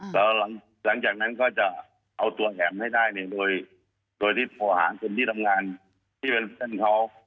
แล้วหลังจากนั้นก็จะเอาตัวแอ๋มให้ได้เนี่ยโดยที่พอหาคนที่ทำงานที่เป็นเส้นเขา